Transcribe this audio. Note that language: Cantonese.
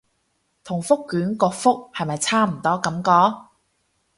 同覆卷個覆係咪差唔多感覺